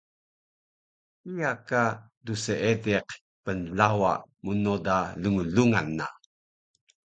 Kiya ka dseediq pnlawa mnoda lnglungan na